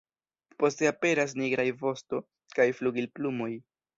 Poste aperas nigraj vosto kaj flugilplumoj.